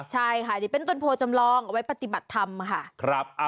ใช่ค่ะนี่เป็นต้นโพจำลองเอาไว้ปฏิบัติธรรมค่ะ